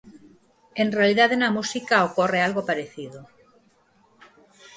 En realidade na música ocorre algo parecido.